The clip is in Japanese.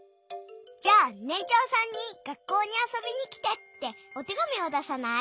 じゃあねんちょうさんに「学校にあそびにきて」っておてがみをださない？